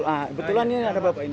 ah kebetulan ini ada bapak ini